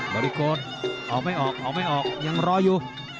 ริโกออกไม่ออกออกไม่ออกยังรออยู่